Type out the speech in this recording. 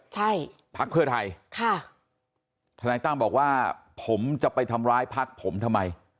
ใช่พักเพื่อไทยค่ะทนายตั้มบอกว่าผมจะไปทำร้ายพักผมทำไม